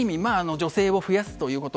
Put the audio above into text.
女性を増やすということ